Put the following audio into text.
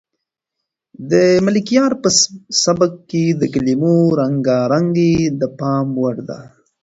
د ملکیار په سبک کې د کلمو رنګارنګي د پام وړ ده.